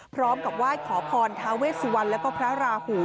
พร้อมกับว่าขอพรทาเวสวรรค์แล้วก็พระราหู